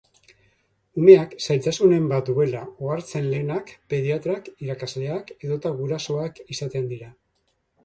Umeak zailtasunen bat duela ohartzen lehenak pediatrak, irakasleak edota gurasoak izaten dira.